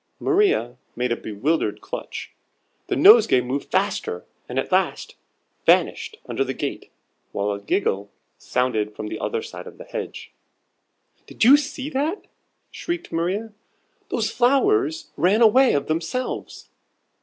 Maria made a bewildered clutch. The nosegay moved faster, and at last vanished under the gate, while a giggle sounded from the other side of the hedge. "Did you see that?" shrieked Maria; "those flowers ran away of themselves."